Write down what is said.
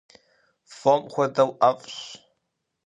Фом хуэдэу ӏэфӏщ.